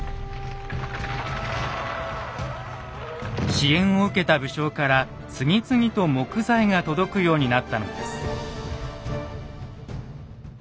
支援を受けた武将から次々と木材が届くようになったのです。